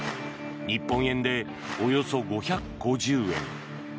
日本円でおよそ５５０円。